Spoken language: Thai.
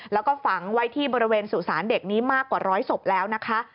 แล้วก็ฝังไว้ที่บริเวณสุสานเด็กนี้มากกว่าร้อยศพแล้วนะคะ